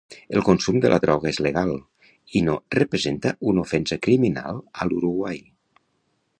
El consum de la droga és legal i no representa una ofensa criminal a l'Uruguai.